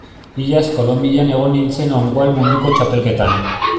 Iaz Kolonbian egon nintzen one wall munduko txapelketan.